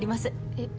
えっ